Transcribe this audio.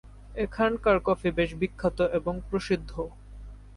এখানকার কফি বেশ বিখ্যাত এবং প্রসিদ্ধ।